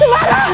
sembara awas nak